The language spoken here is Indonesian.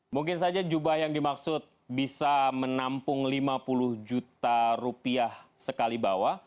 mungkin saja jubah yang dimaksud bisa menampung lima puluh juta rupiah sekali bawah